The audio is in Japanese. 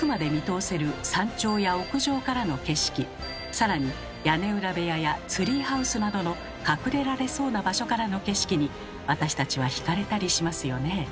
更に屋根裏部屋やツリーハウスなどの隠れられそうな場所からの景色に私たちは惹かれたりしますよね。